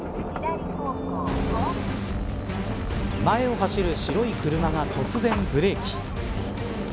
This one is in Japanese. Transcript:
前を走る白い車が突然ブレーキ。